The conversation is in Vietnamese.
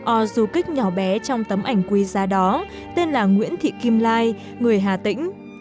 o dù kích nhỏ bé trong tấm ảnh quy ra đó tên là nguyễn thị kim lai người hà tĩnh